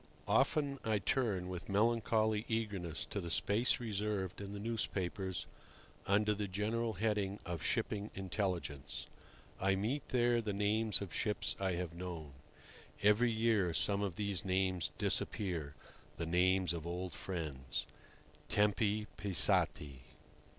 XVI. Often I turn with melancholy eagerness to the space reserved in the newspapers under the general heading of "Shipping Intelligence." I meet there the names of ships I have known. Every year some of these names disappear—the names of old friends. "Tempi passati!"